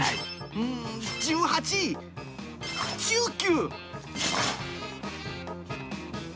うーん、１８、１９。